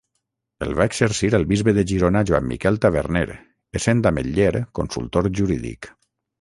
El va exercir el bisbe de Girona Joan Miquel Taverner essent Ametller consultor jurídic.